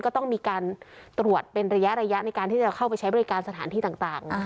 ก็ต้องมีการตรวจเป็นระยะในการที่จะเข้าไปใช้บริการสถานที่ต่าง